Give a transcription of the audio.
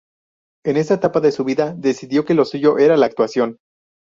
En esta etapa de su vida decidió que lo suyo era la actuación.